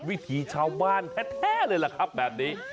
วิถีชาวบ้านแท้เลยล่ะครับแบบนี้